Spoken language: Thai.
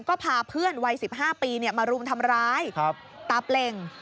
ก็พาเพื่อนวัย๑๕ปีมารุมทำร้ายตาเปล่ง